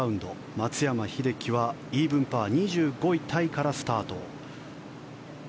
松山英樹は、イーブンパー２５位タイからスタート。